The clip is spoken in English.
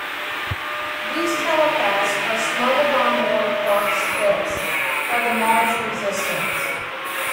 These telepaths are smuggled onboard Clark's ships by the Mars resistance.